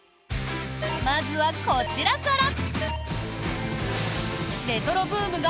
まずはこちらから。